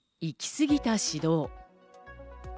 行き過ぎた指導。